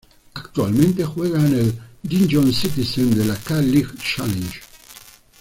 Actualmente juega en el Daejeon Citizen de la K League Challenge.